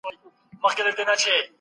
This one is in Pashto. د لویو کارونو لپاره ځان چمتو کړئ